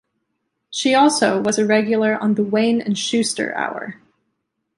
She also was a regular on the "Wayne and Shuster Hour".